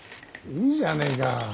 いいじゃねえか。